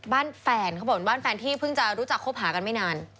บ้านแฟนครับผมบ้านแฟนที่เพิ่งจะรู้จักคบหากันไม่นาน